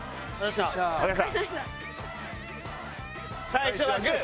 最初はグー！